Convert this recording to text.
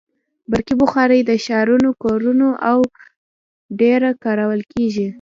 برقي بخاري د ښارونو کورونو کې ډېره کارول کېږي.